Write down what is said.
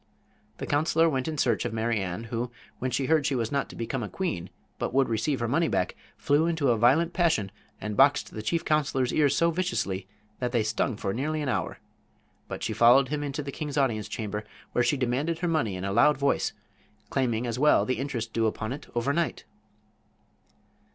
The counselor went in search of Mary Ann, who, when she heard she was not to become a queen, but would receive her money back, flew into a violent passion and boxed the chief counselor's ears so viciously that they stung for nearly an hour. But she followed him into the king's audience chamber, where she demanded her money in a loud voice, claiming as well the interest due upon it over night.